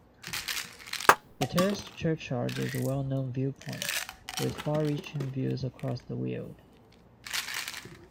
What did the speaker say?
The terraced churchyard is a well-known viewpoint, with far-reaching views across the Weald.